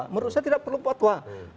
menurut saya tidak perlu fatwa